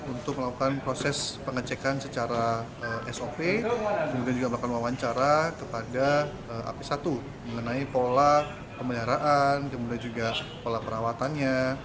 untuk melakukan proses pengecekan secara sop kemudian juga melakukan wawancara kepada ap satu mengenai pola pemeliharaan kemudian juga pola perawatannya